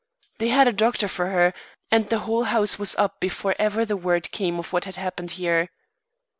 They had a doctor for her and the whole house was up before ever the word came of what had happened here."